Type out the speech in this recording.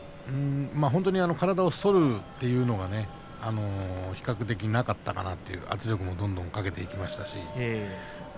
本当に体を反るというのがね比較的なかったかな圧力もどんとかけていきましたし。